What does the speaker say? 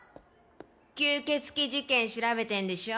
吸ケツ鬼事件調べてんでしょ？